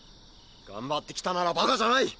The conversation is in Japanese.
頑張ってきたならバカじゃない！